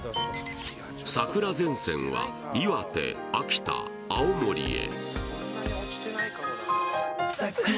桜前線は岩手、秋田、青森へ。